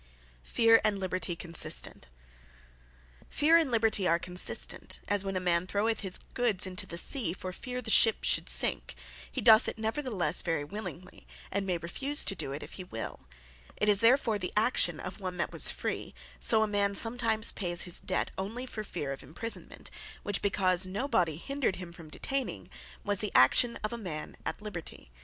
Feare And Liberty Consistent Feare and Liberty are consistent; as when a man throweth his goods into the Sea for Feare the ship should sink, he doth it neverthelesse very willingly, and may refuse to doe it if he will: It is therefore the action, of one that was Free; so a man sometimes pays his debt, only for Feare of Imprisonment, which because no body hindred him from detaining, was the action of a man at Liberty.